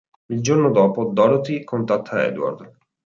Il giorno dopo, Dorothy contatta Edward.